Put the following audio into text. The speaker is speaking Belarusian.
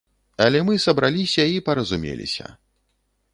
Але мы сабраліся і паразумеліся.